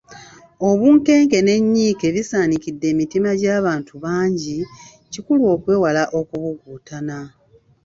Obunkenke n’ennyiike bisaanikidde emitima gy’abantu bangi, kikulu okwewala okubugutana.